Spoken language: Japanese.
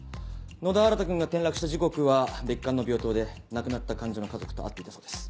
野田新君が転落した時刻は別館の病棟で亡くなった患者の家族と会っていたそうです。